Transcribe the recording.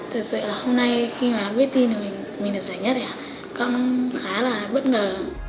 thật sự là hôm nay khi mà biết tin mình là giỏi nhất thì cũng khá là bất ngờ